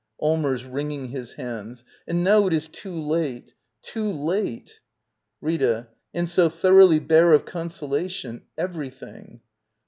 Allmers. [Wringing his hands.] And now it is too late! Too late! Rita. . And so thoroughly bare of consolation — everything!